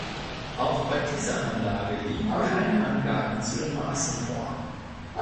Auch bei dieser Anlage liegen keine Angaben zu den Maßen vor.